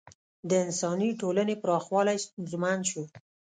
د انساني ټولنې پراخوالی ستونزمن شو.